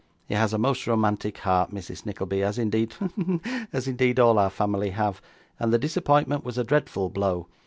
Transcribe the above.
He has a most romantic heart, Mrs. Nickleby, as indeed hem as indeed all our family have, and the disappointment was a dreadful blow.